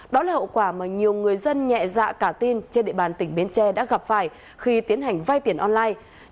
đó là hậu quả mà nhiều người dân nhẹ dạ cả tin trên địa bàn tỉnh bến tre đã gặp phải khi tiến hành vay tiền online